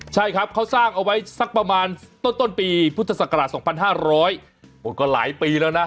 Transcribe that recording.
ใช่ครับเขาสร้างเอาไว้สักประมาณต้นปีพุทธศักราช๒๕๐๐โอ้ก็หลายปีแล้วนะ